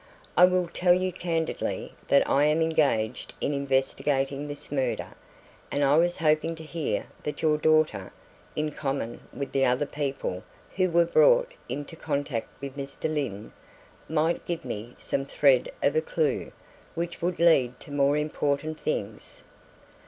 I will tell you candidly that I am engaged in investigating this murder, and I was hoping to hear that your daughter, in common with the other people who were brought into contact with Mr. Lyne, might give me some thread of a clue which would lead to more important things."